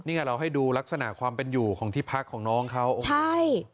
นี่ไงเราให้ดูลักษณะความเป็นอยู่ของที่พักของน้องเขาใช่